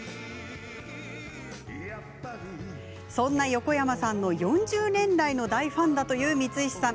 そんな横山さんの、４０年来の大ファンだという光石さん。